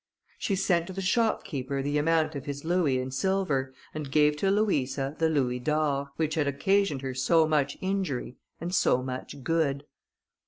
She sent to the shopkeeper the amount of his louis in silver, and gave to Louisa the louis d'or, which had occasioned her so much injury, and so much good.